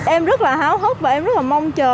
em rất là háo hức và em rất là mong chờ